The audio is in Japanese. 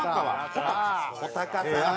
穂高さんね！